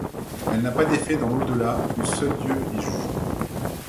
Elle n'a pas d'effets dans l'au-delà où seul Dieu est juge.